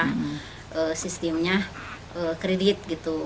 karena sistemnya kredit